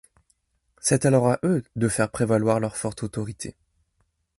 C'est alors à eux de faire prévaloir leur forte autorité.